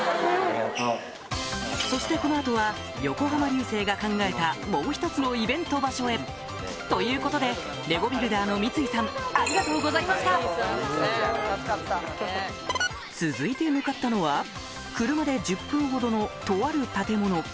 そしてこの後は横浜流星が考えたもう一つのイベント場所へということでレゴビルダーの続いて向かったのは車で１０分ほどのとある建物